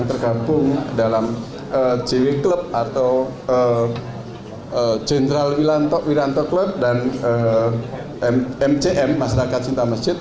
tergabung dalam jw club atau jenderal wiranto club dan mcm masyarakat cinta masjid